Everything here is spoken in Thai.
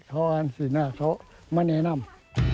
เขาจะสินะเขาไม่แนะนำ